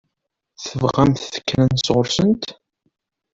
Tebɣamt kra sɣur-sent?